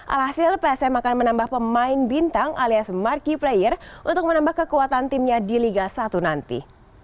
alhasil psm akan menambah pemain bintang alias marquee player untuk menambah kekuatan timnya di liga satu nanti